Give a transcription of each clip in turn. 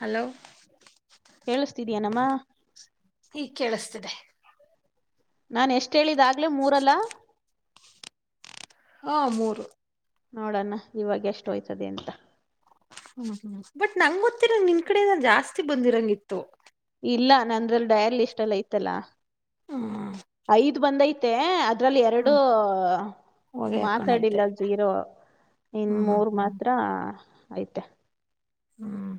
Hello ಕೇಳ್ಸ್ತೀದೆಯೆನಮ್ಮ. ಈ ಗ್ ಕೇಳಿಸ್ತಿದೆ ನಾನ್ ಎಷ್ಟ್ ಹೇಳಿದ ಆಗ್ಲೇ ಮೂರಲ್ಲಾ. ಹಾ ಮೂರು ನೋಡನಾ ಇವಾಗ್ ಎಷ್ಟ್ ಹೋಯ್ತದೆ ಅಂತ. ಹ್ಮ ಹ್ಮ್ ಬಟ್ ನಂಗ್ ಗೊತ್ತಿರ ನಿನ್ಕಡೆಯಿಂದ ಜಾಸ್ತಿ ಬಂದಿರಂಗಿತ್ತು. ಇಲ್ಲ ನಂದ್ರಲ್ಲಿ ಡಯಾಲ ಲಿಸ್ಟ್ ಅಲ್ ಐತ್ತಲ್ಲಾ. ಹ್ಮ್ ಐತ್. ಬಂದೈತೆ ಅದ್ ಅದ್ರಲ್ಲಿ ಎರಡು ಹ್ಮ್ ಹೊಗೆ ಮಾತಾಡಿಲ್ಲ ಹಾಕೊಂಡೈತೆ ಜಿರೋ ಇನ್ ಹ್ಮ್ ಮೂರ್ ಹ್ಮ್ ಮಾತ್ರ. ಹೈತೆ. ಹ್ಮ್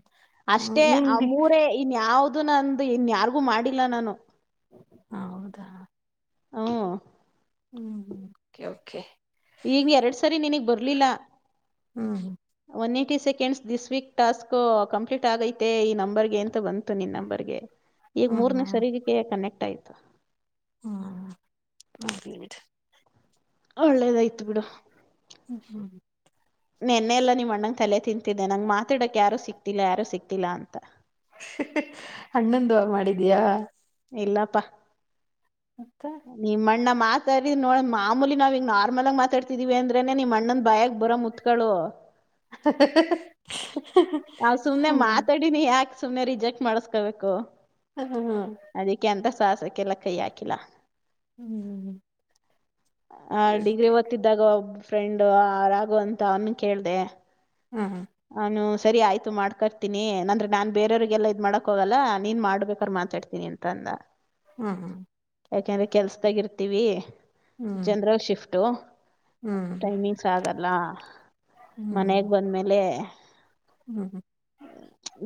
ಹಂಗ ಅಷ್ಟೇ ಆ ನಿಂದಿ ಮೂರೆ ಇನ್ ಯಾವ್ದ. ಅದು ನಂದು ಇನ್ ಯಾರ್ಗು ಮಾಡಿಲ್ಲ ನಾನು. ಹೌದಾ ಹ್ಮ್ ಹ್ಮ್ ಓಕೆ ಓಕೆ ಈಗ್ ಎರಡ್ ಸರಿ ನಿನಗ್ ಬರ್ಲಿಲ್ಲ ಹ್ಮ್ ಒನ್ನೇ twenty seconds this week task complete ಆಗೈತೆ ಈ ನಂಬರ್ಗೆ ಅಂತ ಬಂತು ನಿನ್ ನಂಬರ್ಗೆ. ಈಗ ಹ್ಮ್ ಮೂರನೇ ಸರಿಗಕ್ಕೆ ಕನೆಕ್ಟ್ ಟ್ಟ್ ಆಯ್ತು. ಹ್ಮ ಹೋಗ್ಲಿ ಬಿಡು ಒಳ್ಳೇದಾಯ್ತು ಬಿಡು. ಹ್ಮ ಹ್ಮ್ ನೆನ್ನೆ ಎಲ್ಲಾ ನಿಮ್ ಅಣ್ಣಂಗ ತಲೆ ತಿಂತಿದ್ದೆ ನಂಗೆ ಮಾತಾಡಕ್ ಯಾರು ಸಿಕ್ತಿಲ್ಲ ಯಾರು ಸಿಕ್ತಿಲ್ಲಾ ಅಂತ. ಅಣ್ಣುದು ಮಾಡಿದಯಾ. ಇಲ್ಲಾಪ್ಪಾ ಮತ್ತ ನಿಮ್ಮಣ್ಣ ಮಾತಾಡಿ ನೋ ಮಾಮೂಲಿ ನಾವ ಇಂಗ್ ನಾರ್ಮಲ್ ಆಗಿ ಮಾತಾಡ್ತಿದೀವಿ ಅಂದ್ರೆನೆ ನಿಮ್ ಅಣ್ಣಂದ ಭಯಾಗ ಬರೋ ಮುತ್ಗಳು. [unintelligible] ಸುಮ್ಮನೆ ರಿಜೆಕ್ಟ್ ಮಾಡಿಸ್ಕೊಬೇಕು. ಹ್ಮ್ ಅದಿಕ್ಕೆ ಅಂತ್. ಸಾಸಕ್ಕೆಲ್ಲಕ್ಕೈ ಆಖಿಲ್ಲಾ ಹ್ಮ್ ಹ್ಮ್ ಹ ಡಿಗ್ರಿ ಓದತ್ತಿದ್ದಾಗ ಒಬ್ ಫ್ರೆಂಡ್ ಆ ರಾಗು ಅಂತ ಅವ್ನು ಕೇಳ್ದೆ. ಹ್ಮ್ ಅವ್ನು ಸರಿ ಆಯ್ತು ಮಾಡ್ಕೊರ್ತೀನಿ ನಂದರ್ ನಾನು ಬೇರೆಯವರಿಗೆಲ್ಲ ಇದ್ ಮಾಡೋಕ್ ಹೋಗಲ್ಲ ನೀನು ಮಾಡ್ಬೇಕಾದ್ರೆ ಮಾತಾಡ್ತೀನಿ ಅಂತಂದ. ಹ್ಮ್ ಹ್ಮ ಯಾಕೆಂದ್ರೆ ಕೆಲ್ಸದಾಗ ಇರ್ತಿವಿ ಜನರಲ್ ಶಿಫ್ಟ್ ಟ್ಟು ಹ್ಮ್ ಟೈಮಿಂಗ್ಸ್ ಆಗಲ್ಲ ಹ್ಮ್ ಹ್ಮ್ ಮನೆಗ್ ಬಂದ್ಮೇಲೆ ಹ್ಮ್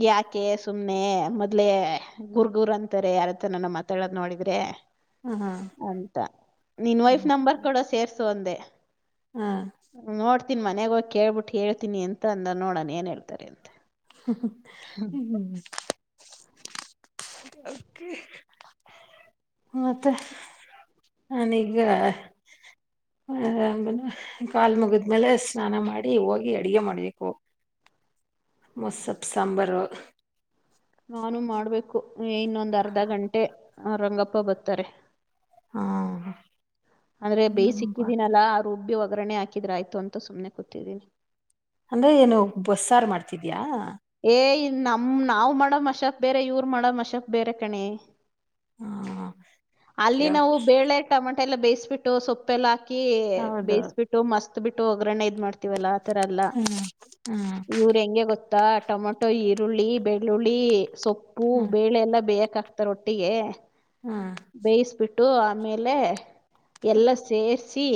ಯಕೆ ಸುಮ್ ಮೊನ್ನೆ ಮೊದ್ಲೆೇ ರ್ಗುರ್ ಗುರ್ ಅಂತಾರೆ ಯಾರತ್ರನ ಮಾತಾಡ್ ನೋಡಿದ್ರೆ ಮತ್ತೆ. ಹಾ ಹಾ ಅಂತ ನಿನ್ ವೈಫ್ ನಂಬರ್ ಕೊಡು ಸೇರ್ ಸು ಒಂದೇ. ಹಾ ನ್ ಮನೆಗ್ ಹೋಗ ಕೇಳ್ಬಿಟ್ಟು ಹೇಳ್ತಿನಿ ಅಂತ ನಿನ ನೋಡಣ ಏನ್ ಹೇಳ್ತಾರೆ ಅಂತೆ. ಹ್ಮ ಮತ್ತೆ ನಾನೀಗ ಅ ಆಮೇಲ್ ಕಾಲ್ ಮುಗಿದ್ಮೇಲೆ ಸ್ನಾನ ಮಾಡಿ ಹೋಗಿ ಅಡಗೆ ಮಾಡ್ಬೇಕು. ಮುಸಪ್ ಸಾಂಬರ್. ನಾನು ಮಾಡ್ಬೇಕು. ಇನ್ನೊಂದ್ ಅರ್ಧ ಗಂಟೆ ರಂಗಪ್ಪ ಬರ್ತಾರೆ. ಹಾ ಅಂದ್ರೆ ಬೇಯಿಸಿಕ್ಕಿದೀನಲ್ಲಾ ಆ ರುಬ್ಬಿ ಒಗ್ ಗರಣೆ ಹಾಕಿದ್ರಾಯ್ತು ಅಂತ ಸುಮ್ಮನೆ ಕೂತ್ತಿದ್ದೀನಿ. ಅಂದ್ರೆ ಏನು ಬಸ್ಸಾರು ಮಾಡ್ತಿದಿಯಾ. ಏ ನಮ್ ನಾವ್ ಮಾಡೋ ಮಶಪ್ ಬೇರೆ ಇವ್ರು ಮಾಡೋ ಮಶಪ್ ಬೇರೆ ಕಣೆ. ಅಲ್ಲಿ ನಾವು ಹ ಬೇಳೆ ಟಮ ಟೆಲ್ಲ ಬೇಯ್ಸ್ಬಿಟ್ಟು ಸೊಪ್ಪೆಲ್ಲ ಹಾಕಿ ಕಿ ಹೌದು ಬೇಯಿಸ್ಬಿಟ್ಟು ಮಸ್ತ್ ಬಿಟ್ಟು ಒಗ್ಗರಣೆ ಇದ್ ಮಾಡ್ತೀವಲ್ಲ. ತರಲ್ಲ ಹ್ಮ್ ಇವ್ರೆಂಗೆ ಗೊತ್ತ ತ್ತ ಟೊಮೊಟೊ ಈರುಳ್ಳಿ ಬೆಳ್ಳುಳ್ಳಿ ಸೊಪ್ ಪ್ಪು ಹ್ಮ್ ಬೇಳೆ ಎಲ್ಲ ಬೇಯಕಾ ಕ್ತಾರ್ ಒಟ್ಟಿಗೆ. ಹ್ಮ್ ಬೇಯಿಸ್ಬಿಟ್ ಟ್ಟು ಆಮೇಲೆ ಎಲ್ಲ ಸೇರ್ಸ್ ಸಿ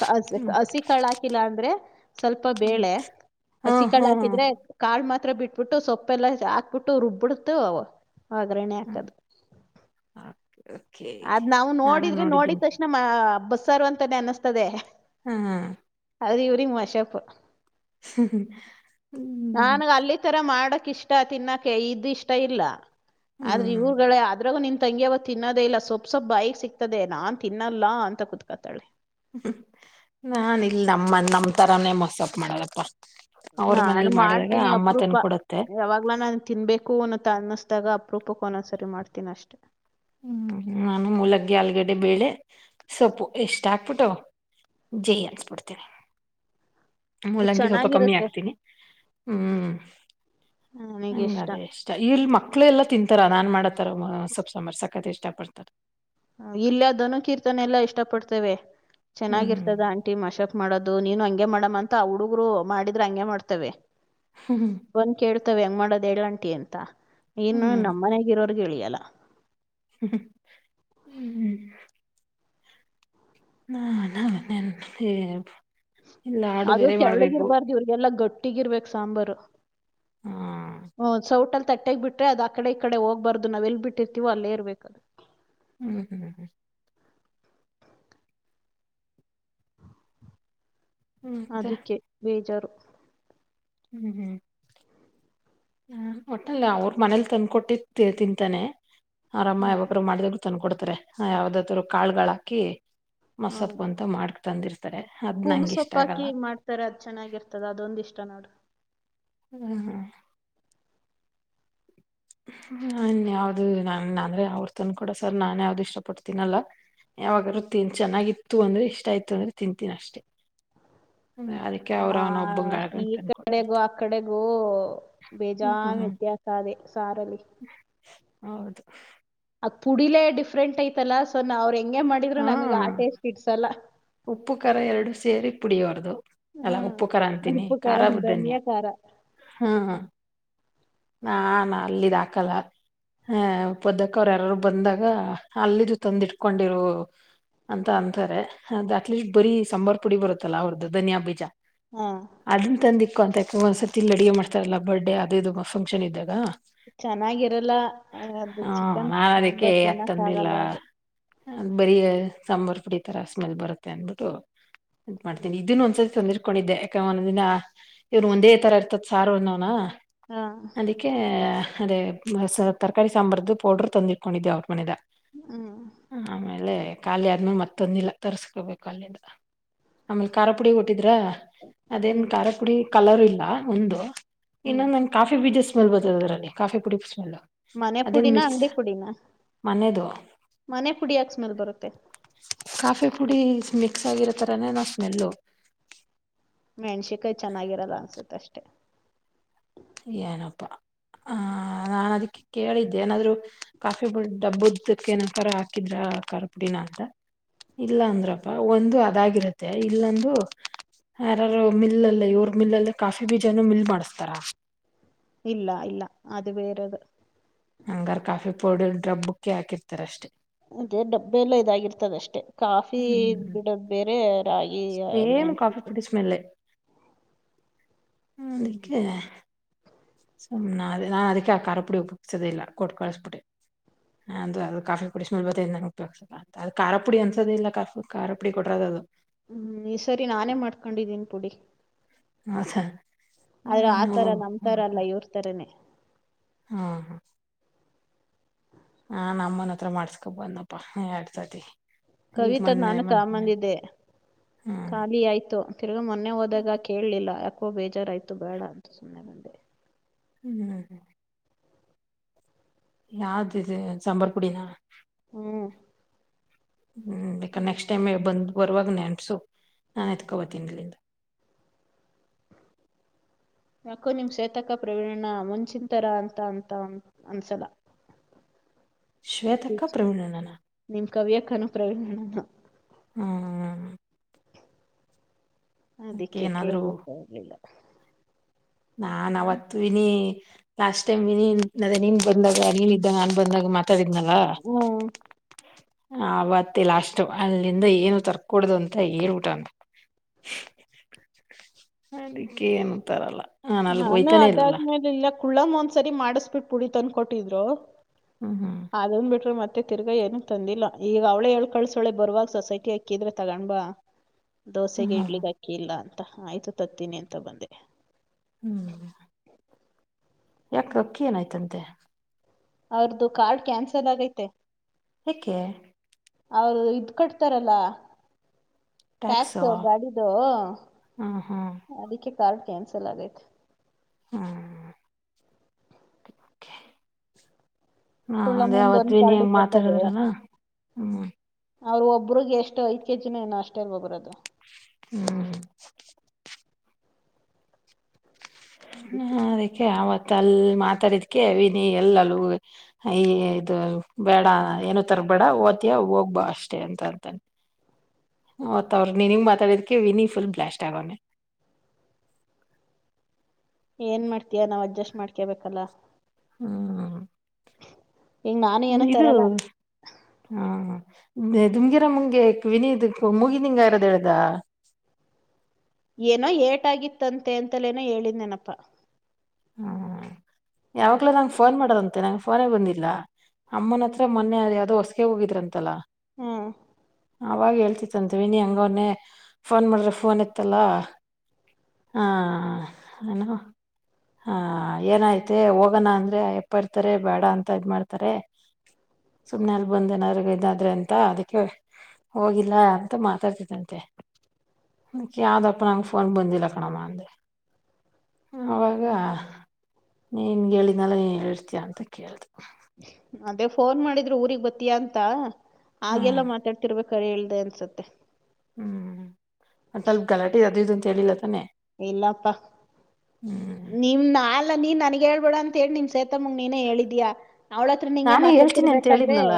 ಕ ಹಸ್ ಹ್ಮ್ ಹ್ಮ್ ಹಸಿ ಕಾಳಾಕಿಲ್ಲ ಅಂದ್ರೆ ಸ್ವಲ್ಪ ಹ್ಮ್ ಬೇಳೆ ಹಾ ಹಸಿ ಹ್ಮ್ ಕಾಳಾಕಿದ್ರೆ ಕಾಳ ಮಾತ್ರ ಬಿಟ್ಬಿಟ್ಟು ಸೊಪ್ಪೆಲ್ಲಾ ಹಾಕ್ಬಿಟ್ಟು ರುಬ್ಬುಟ್ಟು ಅವ ಒಗ್ಗರಣೆ ಹಾಕದು. ಅದ್ ನಾವ್ ನಾನು ನೋಡಿದ್ರೆ ನೋಡಿದ್ದೀನಿ ನೋಡಿತಕ್ಷಣ ಹ ಬಸ್ಸಾರು ಅಂತಾನೇ ಅನ್ನಿಸ್ತದೆ. ಹ್ಮ ಹಾ ಅದು ಇವ್ರಿಗ್ ಮಷಪ್ಪು. ಹ್ಮ್ ಕ್ ಇಷ್ಟ ತಿನ್ನಕೆ ಇದು ಇಷ್ಟ ಇಲ್ಲ. ಆದ್ರೆ ಹ್ಮ್ ಇವ್ರುಗಳೆ ಅದ್ರಾಗೂ ನಿ ತಂಗ್ಯವ ತಿನ್ನದೇ ಇಲ್ಲ. ಸೊಪ್ ಸೊಪ್ ಬಾಯಿಗ್ ಸಿಕ್ತದೆ ನಾನ್ ತಿನ್ನಲ್ಲ ಅಂತ ಕುತ್ಕತಾಳೆ. ನಾನ್ ಇಲ್ ನಮ್ಮ ನಮ್ ತರಾನೇ ಮಸಪ್ಪ ಮಾಡದಪ್ಪ. ಅವ್ರ ನಾನು ಮನೇಲಿ ಮಾಡಿದಾಗ ಮಾಡ್ತೀನಿ ಅಮ್ಮ ಅಪರೂಪ ತಂದಕೊಡುತ್ತೆ ಯಾವಾಗ್ಲ ನಾನು ತಿನ್ಬೇಕು ಅನ್ನುತ ಅನ್ನಸ್ದಾಗ. ಅಪ್ ರೂಪಕೊಂದು ಸರಿ ಮಾಡ್ತೀನಿ ಅಷ್ಟೆ. ಹ್ಮ್ ನಾನು ಮೂಲಗ್ಗಿ ಆಲ್ಗಡೆ ಬೇಳೆ ಸೊಪ್ಪು ಎಷ್ಟ ಹಾಕ್ಬಿಟ್ಟ ಜೈ ಅನ್ಸ್ಬಿಡ್ತೇನಿ. ಮೂಲಂಗಿ ಸ್ವಲ್ಪ ಕಮ್ಮಿ ಚೆನ್ನಾಗಿರುತ್ತೆ ಆಗ್ತೀನಿ ಹ್ಮ್ ನಂಗ್ಗದೇ ಇಷ್ಟ ಇಲ್ಲಿ ಮಕ್ಕಳು ಎಲ್ಲಾ ತಿಂತಾರ ನಾನ್ ಮಾಡದ್. ತರವುಮ ಸೊಪ್ಪು ಸಾಂಬಾರ್ ಸಕತ್ ಇಷ್ಟ ಪಡ್ತಾರೆ. ಇಲ್ಲಯ ಧನು ಕೀರ್ತನೆಲ್ಲಾ ಇಷ್ಟಪಡ್ತವೆ. ಹ್ಮ್ ಚೆನ್ನಾಗಿರ್ತದ ಆಂಟಿ ಮಶಪ್. ಮಾಡೋದು ನೀನು ಹಂಗೆ ಮಾಡಮ ಅಂತ ಹುಡುಗರು ಮಾಡಿದ್ರೆ ಹಂಗೆ ಮಾಡ್ತವೆ. ಹ್ಮ್ ಬಂದ್ ಕೇಳ್ ತ್ತ್ ವೆ ಹೆಂಗ್ ಮಾಡೋದ್ ಎಳ್ಂಟಿ ಅಂತ. ಏನು ಹ್ಮ್ ನಮ್ಮ್ನಗ ಇರೋರ್. [unintelligible] ಹ್ಮ್ ನಾ ನನ್ ಅಂತೆ. ಅದು ತೆಳುಗ್ಗಿರ್ಬಾರ್ದು ಇವ್ರಿಗೆಲ್ಲ ಗಟ್ ಟ್ಟಿಗಿರ್ಬೇಕು ಸಾಂಬಾರು. ಹಾ ಹೊ ಸೌಟ್ಟ್. ತಟ್ಟೆೆಗೆ ಬಿಟ್ರೆ ಅದ್ ಆಕಡೆ ಈ ಕಡೆ ಕಡೆೋಗ್ಬಾರ್ದು ನಾವ್ ಎಲ್ಲಿ ಬಿಟ್ಟಿರ್ತಿವೊ ಅಲ್ಲೇ ಇರ್ಬೇಕು ಅದು. ಹ್ಮ್ ಹ್ಮ್ ಮತ್ತೆ ಅದಿಕ್ಕೆ ಬೇಜಾರು ಹ್ಮ್ ಹ್ಮ್ ಒಟ್ಟಲ್ಲ ಅವ್ರ ಮನೇಲಿ ತಂದ್ಕೊಟ್ಟಿ ತಿಂತಾನೆ. ಅವ್ರಮ್ಮ ಹ್ಮ್ ಯಾವಾಗ್ರು ಮಾಡಿದಗ್ಳು. ತಂದ್ ಕೊಡ್ತಾರೆ ಯಾವ್ದಾದರು ಕಾಳುಗಳ್ ಹಾಕಿ. ಮಸತ್ ಅಂತ ಮಾಡ್ಕ್. ತಂದಿರ್ ಕುೂಂಬ್ ಸೊಪ್ಪಾಕಿ ಮಾಡ್ತಾರೆ ಅದ ಚೆನ್ನಾಗಿರ್ತದ ಅದೊಂದ ಇಷ್ಟ ನೋಡು. ಹ್ಮ ಹ್ಮ್ ಹ ನನ್ ಯಾವ್ದು ನಾ ನಂಗ ಅವ್ರು ತಂದ್ ಕೂಡೊ ಸರ್ ನಾನ್ ಯಾವ್ದು ಇಷ್ಟ ಪಡ್ತೀನಲ್ಲಾ ಯಾವಾಗಾದೂ ತಿನ್ ಚೆನ್ನಾಗಿತ್ತು ಅಂದ್ರೆ ಇಷ್ಟ ಆಯ್ತು ಅಂದ್ರೆ ತಿಂತೀನಿ ಅಷ್ಟೇ. ಅದಕ್ಕೆ ಅವ್ರ ಅವನ ಒಬ್ಬಂಗ ಹ ಈ ಆಳ್ಕೊಂಡ್ ತಂದ್ ಕಡೆಗೂ ಕೊಟ್ಟಿರ್ತ ಆ ಕಡೆಗೂ ಹ್ಮ್ ಬೇಜಾನ್ ಹ್ಮ್ ವ್ಯತ್ಯಾಸ ಅದೆ. ಸಾರಲಿ. ಹೌದು ಅ ಪುಡಿಲೆ ಡಿಫ್ರಂಟ್ ಐತಲ್ಲ ಸೊ ನ ಅವ್ರ ಹೆಂಗ್. ಹಂಗೆ ಮಾಡಿದ್ರು ಹಾ ನಮಗ್ ಆ ಟೇಸ್ಟ್ ಇಡ್ಸಲ್ಲ. ಉಪ್ಪು ಕಾರ ಎರಡು ಸೇರಿ ಪುಡಿಯೋರ್ದು ಇಲ್ಲ ಹ್ಮ್ ಉಪ್ಪು ಕರ ಅಂತೀನಿ ಉಪ್ಪು ಖಾರ ಬುಧನ್ಯ ಧನಿಯಾ ಖಾರ ಹ್ಮ ಹ. ನ ನಾ ಅಲ್ಲಿದಾಕಲ್ಲ ಹ ಪದಕ್ಕವರು ಯಾರಾರು ಬಂದಾಗ ಅಲ್ಲಿದು ತಂದಿಟ್ಕೊಂಡಿರು ಅಂತ ಅಂತಾರೆ ಅದು ಅಟ್ಲೀಸ್ಟ್ ಬರೀ ಸಾಂಬಾರ್ ಪುಡಿ ಬರುತ್ತಲ್ಲ ಅವ್ರದು ಧನಿಯಾ ಬೀಜ. ಹಾ ಅದನ್ನ ತಂದಿಕ್ ಕೊಂತ ಒಂದ್ಸತಿ ಇಲ್ಲಿ ಅಡುಗೆ ಮಾಡ್ತಾರಲ್ಲ ಬರ್ತಡೆ ಅದು ಇದು ಫಂಕ್ಷನ್ ಇದ್ದಾಗ. ಚೆನ್ನಾಗಿರಲ್ಲ ಅದು ಹಾ ಚಿಕನ್ ನಾನ್ ಸಾಂಬಾರ್ ತಿನ್ನಕ್ಕಾಗಲ್ಲ ಅದು. ಅ ಬರೀ ಸಾಂಬಾರ್ ಪುಡಿ ತರ ಸ್ಮೆಲ್ ಬರುತ್ತೆ ಅಂದ್ಬಿಟ್ಟು ಇದ್ಮಾಡ್ತೀನಿ ಇದನ್ನು ಒಂದ್ಸತಿ ತೊಂದಿರ್ಕೊಂಡಿದ್ದೆ ಯಾಕ ಒಂದೊಂದಿನ ಇವ್ರು ಒಂದೇ ತರ ಇರ್ತತಿ. ಸಾರು ಅನ್ನೊವನಾ ಹಾ ಅದಕ್ಕೆ ಅದೇ ತರಕಾರಿ ಸಾಂಬಾರ್ದು ಪೌಡರ್ ತಂದಿಟ್ಕೊಂಡಿದ್ದೆ ಅವ್ರು ಮನೆದ ಹ್ಮ್ ಆಮೇಲೆ ಖಾಲಿ ಆದ್ ಮರ್ತಂದಿಲ್ಲ ತರ್ಸ್ಕೋಬೇಕು ಅಲ್ಲಿಂದ. ಆಮೇಲೆ ಖಾರಪುಡಿ ಕೊಟ್ಟಿದ್ರ ಅದೇನ್ ಹ್ಮ್ ಖಾರಪುಡಿ ಕಲರ್ ಇಲ್ಲ ಒಂದು. ಇನ್ನೊ ಹ್ಮ್ ನನ್ ಕಾಫಿ ಬೀಜ ಸ್ಮೆಲ್ ಬರ್ತದ್ ಅದ್ರಲ್ಲಿ ಕಾಫಿ ಪುಡಿ ಸ್ಮೆಲ್ಲು. ಮನೆ ಪುಡಿನ ಅಂಗ್ಡಿ ಪುಡಿನ ಮನೆದು ಮನೆ ಪುಡಿ ಯಾಕ್ ಸ್ಮೆಲ್ ಬರುತ್ತೆ. ಕಾಫಿ ಪುಡಿ ಮಿಕ್ಸ್ ಆಗಿರೋತರನೇನಾ ಸ್ಮೆಲ್ಲು. ಮೆಣ್ಸಿಕಾಯಿ ಚೆನ್ನಾಗಿರಲ್ಲ ಅನ್ಸುತ್ತೆ ಅಷ್ಟೇ. [inaudible] ಏನಪ್ಪಾ ಆ ನಾನ್ ಅದ್ಕೆ ಕೇಳಿದ್ದೆ ಏನಾದ್ರು ಕಾಫಿ ಡಬ್ಬದ್ದಕ್ಕೆ ಏನಂತರ ಹಾಕಿದ್ರ ಕಾರದ್ ಪುಡಿನ ಅಂತ ಇಲ್ಲ ಅಂದ್ರಪ್ಪ ಒಂದು ಅದಾಗಿರುತ್ತೆ ಇಲ್ಲೊಂದು ಯಾರಾರು ಮಿಲ್ಲಲ್ಲ ಇವ್ರ ಮಿಲ್ಲಲ್ಲೆ ಕಾಫಿ ಬೀಜನು ಮಿಲ್ ಮಾಡಸ್ತಾರ. ಇಲ್ಲ ಇಲ್ಲ ಅದ್ಬೇರೆದು. ಹಂಗಾರ ಕಾಫಿ ಪೌಡರ್ ಡಬ್ಬುಕ್ಕೆ ಹಾಕಿರ್ತಾರಷ್ಟೇ. ಅದೆ ಡಬ್ಬೆಲ್ಲ ಇದಾಗಿರ್ತದ ಅಷ್ಟೇ. ಕಾಫಿ ಹ್ಮ್ ಬಿಡೊದ್ ಬೇರೆ. ರಾಗಿ ಸೇಮ್ ಮೆಣಸಿಕಾಯಿ ಕಾಫಿಪುಡಿ ಸ್ಮೆಲ್ಲೆ. ಹ್ಮ ಅದಕ್ಕೆ ಸುಮ್ನಾದೆ ನಾನ್ ಅದಕ್ಕೆ ಆ ಖಾರ ಪುಡಿ ಉಪಯೋಗ್ಸೋದಿಲ್ಲ ಕೊಟ್ಕಳ್ಸ್ಬಿಟ್ಟೆ ಅದು ಅದು ಕಾಫಿ ಪುಡಿ ಸ್ಮೆಲ್ ಬತೖತ್ ನಾನ್ ಉಪಯೋಗ್ಸಲ್ಲ ಅಂತ ಅದ ಖಾರ ಪುಡಿ ಅನ್ಸದೇ ಇಲ್ಲ ಕಾಫಿ ಖಾರ ಪುಡಿ ಕೊಟ್ರದದು. ಹ್ಮ್ ಈ ಸರಿ ನಾನೇ ಮಾಡ್ಕೊಂಡಿದ್ದೀನಿ ಪುಡಿ. ಅಛಾ [unintelligible] ಆದ್ರೆ ಆತರ ನಮ್ತರ ಅಲ್ಲ ಇವ್ರ್ ತರನೇ ಹಾ ಹಾ ಹಾ ನಮ್ಮುನ್ ತ್ರ ಮಾಡ್ಸ್ಕೊ ಬಂದಪ್ಪಾ ಎಡ್ಸ್ ತಿ. ಕವಿತಾ ನಾನು ತಾಮಂದಿದ್ದೆ ಹ್ಮ್ ಖಾಲಿ ಆಯ್ತು ತಿರ್ಗಾ ಮೊನ್ನೆ ಹೋದಾಗ ಕೇಳ್ಲಿಲ್ಲ. ಕೊ ಬೇಜಾರಾಯ್ತು ಬೇಡ ಅಂತ ಸುಮ್ನ ಬಂದೆ. ಹ್ಮ್ ಯಾವ್ದಿದು ಸಾಂಬಾರ್ ಪುಡಿ ನ ಹ್ಮ್ ಹ್ಮ್ ಬೇಕ್ ನೆಕ್ಸ್ಟ್ ಟೈಮ್ ಬಂ ಬರ್ವಾಗ ನೆಪ್ಸ ನಾಎತ್ಕೊಬತ್ತೀನಿ ಇಲ್ಲಿಂ ಯಾಕೋ ನಿಮ್ ಶೇತಕ ಪ್ರವೀನಣ್ಣ ಮುಂಚಿಂತರ ಅಂತ ಅಂತ ಅನ್ಸಲ್ಲ. ಶ್ವೇತಕ್ಕ ಪ್ರವೀಣನ್ನ ನ ಕವಿಯಕ್ಕನು ಪ್ರ್ರವೀಣಣ್ಣಾನು. ಹ್ಮ ಅದಿಕ್ಕೆ ಏನಾದ್ರು ಕೇಳಿರ್ರ್ ಪರ್ಲಿಲ್ಲ್. [inaudible] ನಾನವತ್ತು ಇನಿ ಲಾಸ್ಟ್ ಟೈಮ್ ಇನ್ ನದ್ ನೀನ್ ಬಂದಾಗ ನೀನ್ ಇದ್ದಾಗ ನನ್ ಬಂದಾಗ ಮತ್ತ್ ತಿದ್ನಲ್ಲಾ ಹ್ಮ್ ಆವತ್ತೆ ಲಾಷ್ಟು ಅಲ್ಲಿಂದ ಏನು ತರ್ಕೊಡ್ದು ಅಂತ ಹೇಳ್ಬಟವ್ನ್. ಅದಕ್ಕೆನಂತರಲ್ಲ. ನಾನು ಅದಾದ್ಮೇಲೆ ಇಲ್ಲ್ ಕುಳ್ಳಮ್ಮ ಒಂದ್ಸರಿ ಮಾಡಿಸ್ಬಿಟ್ಟ್ ಪುಡಿ ತಂದ್ಕೊಟ್ಟಿದ್ರು. ಹ್ಮ್ ಹ್ಮ್ ಅದನ್ ಬಿಟ್ರ ಮತ್ತ್ ತ್ತೆ ತಿರ್ಗಾ ಏನ ತಂದಿಲ್ಲ ಈಗವ್ಳೇ ಹೇಳ್ ಕಳ್ಸೌಳೆ ಬರ್ವಾಗ ಸೊಸೈಟಿ ಅಕ್ಕಿದ್ರೆ ತಗೊಂಡ್ ಬಾ. ಹ್ಮ್ ದೋಸೆಗೆ ಹ್ಮ್ ಇಡ್ಲಿಗಕ್ಕಿಲ್ಲ ಅನ್. ತ್ ಆಯ್ತು ತತ್ತೀನಿ ಅಂತ ಬಂದೆ ಹ್ಮ್ ಯಾಕಕ್ಕಿ ಏನಾಯ್ತಂತೆ. ಅವ್ರ್ದು ಕಾರ್ಡ್ ಕ್ಯಾನ್ಸಲ್ ಆಗೈತೆ. ಹೆಕ್ಕೆ ಅವ್ರು ಇದ್ ಕಟ್ತಾರಲ್ಲ. ಟ್ಯಾಕ್ಸ್ ಟ್ಯಾಕ್ಸು ಗಾಡಿದೋ ಹ್ಮ್ ಹ್ಮ್ ಅದ್ಕಿ ಪಾಲ ಕ್ಯಾನ್ಸಲ್ ಆಗೈತೆ. ಹಾ ಹಾ ಅದೇ ಕುಳ್ಳಮ್ಮಂದು ಅವತ್ ಒಂದ್ ವಿನಿಯ ಕಾರ್ಡಿಗೆ ಮಾತಾಡುದ್ರಲ್ಲ ಹ್ಮ್. ಅವ್ರ ಒಬ್ಬ್ರಿಗೆ ಎಷ್ಟು ಐದ್ ಕೆಜಿನ ಏನ ಅಷ್ಟೇ ಅಲ್ವಾ ಬರೋದ. ಹ್ಮ್. ಹ್ಮ ಅದಕ್ಕೆ ಯವತ್ತು ಮತ್ತ ಅಲ್ ಮಾತಾಡಿದ್ಕ ವಿನಿ ಎಲ್ಲಲ್ ಇದ ಬೇಡ ಏನ ತರ್ಬೇಡ ಓತಿಯ ಹೋಗ್ಬಾ ಅಷ್ಟೇ ಅಂತ ಅಂತಾನ ಮತ್ತ ಅವ್ರ ನೀನ್ಗ ಮಾತಾಡಿದಕ ವಿನಿ ಫುಲ್ ಬ್ಲಾಸ್ಟ್ ಆಗೋಣೆ. ಏನ್ ಮಾಡ್ತಯ ನಾವ್ ಅಡ್ಜಸ್ಟ್ ಮಾಡ್ಕೇಬೇಕಲ್ಲಾ. ಹ್ಮ ಈಗ ನಾನು ವಿನು ಏನೂ ಇದು ತರಲ್ಲ ಹಾ ಧೂಮಗಿರಮ್ಮಂಗೆ ಕ್ಯೂನಿಇದ್ದಿದ ಮುಗಿನಿಂಗ ಇರೋದ ಹೇಳಿದರ. ಏನೋ ಏಟಾಗಿತ್ತಂತೆ ಅಂತಲೇನೋ ಹೇಳಿದನೇನಪ್ಪಾ. ಹ್ಮ. ಯಾವಾಗ್ಲೂ ನಂಗೆ ಫೋನ್ ಮಾಡದಂತೆ ನ ಫೋನ ಬಂದಿಲ್ಲ ಅಮ್ಮನ ಹತ್ರ ಮೊನ್ನೆ ಅದ ಯಾವುದೋ ಹೊಸಗೆ ಹೋಗಿದ್ರ ಅಂತಲ್ಲ. ಹ್ಮ್. ಅವಾಗ ಹೇಳ್ತಿತ್ತಂತೆ ವಿನಿ ಹೆಂಗ ಅವನ್ನೆ ಫೋನ್ ಮಾಡಿದ್ರೆ ಫೋನ್ ಎತ್ತಲ್ಲ ಹಾಂ ಏನು. ಹಾ ಏನಾಯ್ತೆ ಹೋಗಣ ಅಂದ್ರೆ ಎಪ್ಪ ಇರ್ತಾರೆ ಬೇಡ ಅಂತ ಇದ್ ಮಾಡಾತಾರೆ ಸುಮ್ನೆಲ್ ಬಂದ ಏನಾದ್ ಇದಾದ್ರೆ ಅಂತ ಅದಕ್ಕೆ ಹೋಗಿಲ್ಲ ಅಂತ ಮಾತಾಡ್ತಿದಂತೆ ಯಾವ್ದಪ್ಪ ನಂಗ ಫೋನ್ ಬಂದಿಲ್ಲ ಕಣಮ್ಮ ಅಂದೆ. ಹ್ಹಾ ನಿಂಗ ಹೇಳಿದಿನಲ್ಲ ನೀನ್ ಹೇಳರ್ತೀಯ ಅಂತ ಕೇಳ್ದೆ. ಅದೇ ಫೋನ್ ಮಾಡಿದ್ರು ಊರಿಗೆಗ ಬತ್ತಿಯ ಅಂತ. ಹ್ಮ್ ಹಾಗೆಲ್ಲಾ ಮಾತಾಡ್ತಿರ್ಬೇಕ. ಖರೆಲ್ದೆ ಅನ್ಸತ್ತೆ. ಹ್ಮ್ [unintelligible] ಗಲಾಟಿ ಅದು ಇದು ಅಂತ ಹೇಳಿಲ್ಲಾ ತಾನೆ. ಇಲ್ಲಪ್ಪಾ ಹ್ಮ್ ನಿಮ ನಾಲ್ಲ ನೀನ್. ನನಗ್ ಹೇಳ್ಬೇಡ ಅಂತ ಹೇಳಿ ನಿಮ್ ಸೇತ ಮುಂಗ್ ನೀನೇ ಹೇಳಿದ್ಯಾ. ಅವ್ಳತ್ರ ನಿಂಗೆ ನಾನೇ ಹೇಳ್ತೀನಿ ಅಂತ ಮಾತರ್ತಿರ್ಬೇಕಾದ್ರೆ ಹೇಳಿದ್ನಲ್ಲ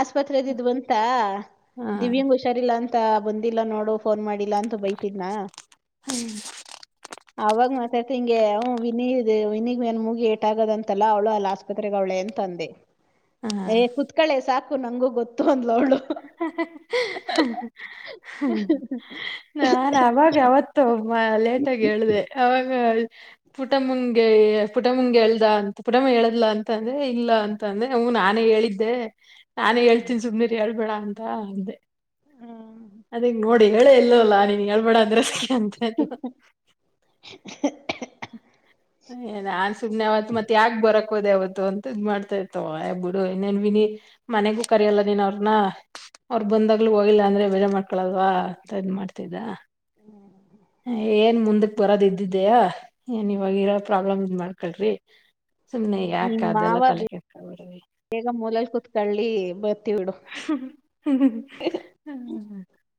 ಆಸ್ಪತ್ರರೆದ ಇದ್ ಬಂತ ಹಾ ದಿವ್ಯಾಂಗ ಹುಷಾರಿಲ್ಲಾ ಅಂತ. ತಾ ಬಂದಿಲ್ಲ ನೋಡು ಫೋನ್ ಮಾಡಿ. ಇಲ್ಲ ಅಂತ ಬೈತಿದ್ನಾ. ಹ್ಮ. ಮಾತಾಡ್ತಾ ಹಿಂಗೆ ಹು ವಿನಿ ವಿನಿಗ್ ಏನ್ ಮುಗಿ ಏಟಾಗಿದಂತಲ್ಲ ಅವಳು ಅಲ್ಲ ಆಸ್ಪತ್ರೆಗೆ ಅವ್ಳೇ ಅಂತ ಅಂದೆ. ಹಾ ಏ ಕೂತ್ಕೊಳ್ಳೆ ಸಾಕು. ನಂಗು ಗೊತ್ತು ಅಂದು. ಹಹಹ ಹ ಹ ನಾನ ಆವಾಗ ಯಾವತ್ತ. ತ್ ವಾ ಲೇಟಾಗಿ ಹೇಳ್ದೆ ಆವಾಗ ಪುಟಮುಂಗೆ ಪುಟಮುಂಗೆ ಹೇಳ್ದ ಅಂತ ಪುಟಮ ಹೇಳ್ದಲ ಅಂತ. ಅಂದ್ರೆ ಇಲ್ಲ ಅಂತಂದೆ ಹೂಂ ನಾ ನೆ ಹೇಳಿದ್ದೆ ನಾನೇ ಹೇಳ್ತಿನ್ ಸುಮ್ನಿರು ಬಿಡ್ಬೇಡ ಅಂತ ಅಂದೆ. ತ್ ಹೇಳೇ ಇಲ್ಲ್ವಲ್ಲಾ ನಿನಗ್ ಹೇಳ್ಬೇಡಾ ಅಂದ್ರೆ ಅಂತ ಇದ್ಲು. [unintelligible] ಏ ನಾನ್ ಸುಮ್ನೆ ಅವತ್ಮತ್ಯಾಕ್ ಬರಕ್ ಯಾಕೋದೆ ಅವತ್ತು ಅಂತ ಇದ್ ಮಾಡ್ತಾ ಇತ್ತು ಯ ಬಿಡು ಇನ್ನೇನ್ ವಿನಿ ಮನೆಗೂ ಕರಿಯಲ್ಲ ನೀನ್ ಅವ್ರನ ಅವ್ರು ಬಂದಾಗ್ಲು ಹೋಗಿಲ್ಲ ಅಂದ್ರೆ ಬೆಡ ಮಾಡ್ಕೊಳಲ್ವಾ ಅಂತ ಇದ್ ಮಾಡ್ತಿದ್ದ. ಏನ್ ಮುಂದಕ್ ಬರೋದ್ ಇದ್ದಿದ್ದಯ ಏನ್ ಇವಾಗ ಇರೋ ಪ್ರಾಬ್ಲಮ್ ಇದ್ ಮಾಡ್ಕಳ್ರಿ. ನಿಮ್ಮ್ ಮಾವ ಬೇಗ ಮೂಲೆಲ್ ಕುತ್ಕೊಳ್ಳಿ ಬ ಹ್ಮ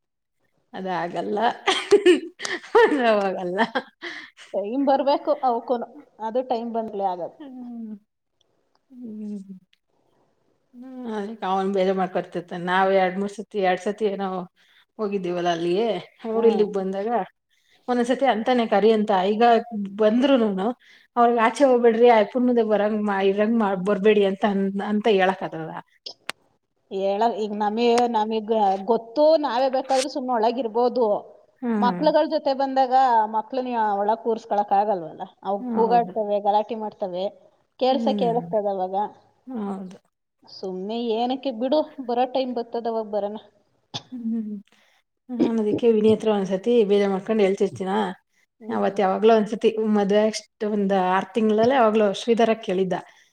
ಅದ ಆಗಲ್ಲಾ [unintelligible] ಟೈಮ್ ಬರ್ಬೇಕು. ಅವ್ಕುನು ಅದು ಟೈಮ್ ಬಂದ್ ಲೇ ಆಗದ್. ಹ್ಮ್ ಹ್ಮ್ ಅದಕ್ಕೆ ಅವನ್ ಬೇರೆ ಮಾಡ್ಕೊತಿರ್ತಾನ್ ನಾವೆರಡ್ ಮೂರ್ ಸತಿ ಎರಡ್ ಸತಿ ಏನೋ ಹೋಗಿದ್ದೀವಲ್ಲಾ ಅಲ್ಲಿ ಅವ್ರು ಹ್ಮ್ ಇಲ್ಲಿಗ್ ಬಂದಾಗ ಒಂದೊನ್ಸತಿ ಅಂತಾನೇ ಕರಿ ಅಂತ ಈಗ ಬಂದ್ರುನುನು ಅವ್ರಗ್ ಆಚೆ ಹೋಗ್ಬಿಡ್ರಿ ಆಯಪ್ಪುನ್ ಮುಂದೆ ಬರಂಗ್ ಮಾ ರಂಗ್ ಮಾಡ್ ಬರ್ಬೇಡಿ ಅಂತ ಅ ಅಂತ ಹೇಳಕ್ಕಾದದ. ಹೇಳ ಈಗ ನಮಿ ನಮಗ್ ಗೊತ್ತು ನಾವೇ ಬೇಕಾದ್ರೆ ಸುಮ್ಮ್ನೆ ಒಳಗಿರ್ಬೋದು. ಹಾ ಮಕ್ಳುಗಳ ಜೊತೆ ಬಂದಾಗ್ ಗಾ ಮಕ್ಳ ನೀ ಒಳಗ್ ಕೂರ್ಸ್ಕಳಕ್ ಆಗಲ್ವಲ್ಲ. ಅವು ಹೌದು ಕೂಗಾಡ್ತವೆ ಗಲಾಟಿ ಮಾಡ್ತ್ ತವೆ. ಕೇಳ್ಸೆ ಹ್ಮ್ ಕೇಳಸ್ತಾದವಾಗ. ಹೌದು ಸುಮ್ನೆ ಏನಕ್ ಕ್ಕೆ ಬಿಡು ಬರ ಟೈಮ್ ಬರ್ತದ ಅವಾಗ ಬರೋಣ. ಹ್ಮ್ ಹ್ಮ್ ನಾನ್ ಅದಕ್ಕೆ ವಿನಿ ಹತ್ರ ಒಂದ್ಸತಿ ಬೇರೆ ಮಕ್ಕಂಡ ಹಳ್ತಿರ್ತೀನ. ಹ್ಮ್. ಅವತ್ ಯಾವಾಗ್ಲೂ ಅನ್ಸಿ ಮದ್ವೆ ಅಷ್ಟು ಒಂದ್ ಆರ್ ತಿಂಗಳಲ್ಲೇ ಅವಾಗ್ಲೂ ಶ್ರೀಧರ ಕೇಳಿದ್ದ.